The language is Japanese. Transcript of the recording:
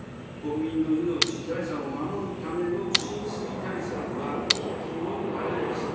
国民の命、財産を守るための浸水対策は喫緊の課題です。